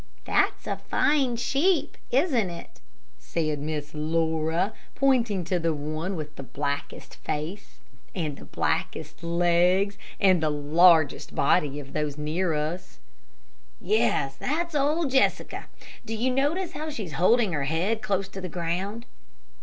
"That's a fine sheep, isn't it?" said Miss Laura, pointing to one with the blackest face, and the blackest legs, and largest body of those near us. "Yes; that's old Jessica. Do you notice how she's holding her head close to the ground?"